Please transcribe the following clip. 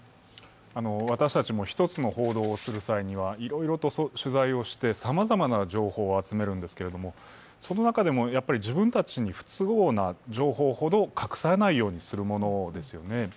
私たちも１つの報道をする際にはいろいろと取材をして、さまざまな情報を集めるんですけれども、その中でもやっぱり自分たちに不都合な情報ほど隠さないようにするものですよね。